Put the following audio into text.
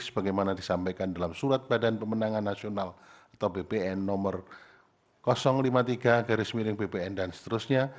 sebagaimana disampaikan dalam surat badan pemenangan nasional atau bpn nomor lima puluh tiga garis miring bpn dan seterusnya